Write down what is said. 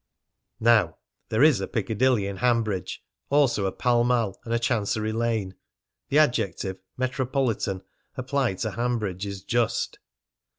Now there is a Piccadilly in Hanbridge; also a Pall Mall, and a Chancery Lane. The adjective "metropolitan," applied to Hanbridge is just.